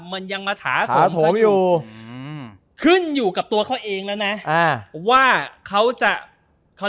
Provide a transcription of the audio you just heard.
มันยังมาถาโถมอยู่ขึ้นอยู่กับตัวเขาเองแล้วนะว่าเขาจะเขา